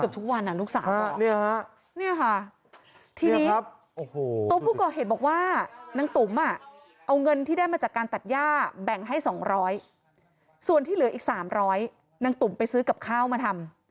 ส่วนที่เหลืออีก๓๐๐นางตุ๋มไปซื้อกับข้าวมาทำ